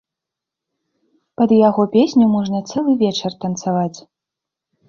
Пад яго песню можна цэлы вечар танцаваць.